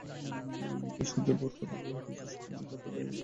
নিতাই, সুদেব ওরা কথা কহিতেছে সকলেই, কথা নাই কেবল শশীর মুখে।